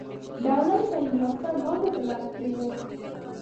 دولت د تعلیم یافته ګانو په لاس کې و.